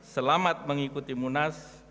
selamat mengikuti munas